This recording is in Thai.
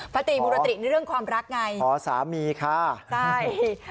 พระตรีมุรติในเรื่องความรักไงขอสามีค่ะใช่